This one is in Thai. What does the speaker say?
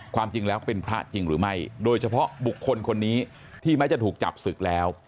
ความจริงแล้วเป็นพระจริงหรือไม่โดยเฉพาะบุคคลคนนี้ที่แม้จะถูกจับศึกแล้ว